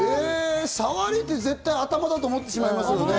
さわりって絶対、頭だと思ってしまいますよね。